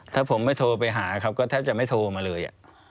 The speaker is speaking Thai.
ถ้าผมไม่โทรไปหาเขาก็แทบจะไม่โทรมาเลย